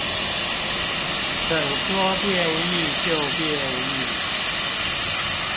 怎說變異就變異